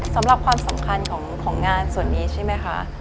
สำหรับความสำคัญของงานส่วนนี้ใช่ไหมคะ